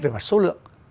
về mặt số lượng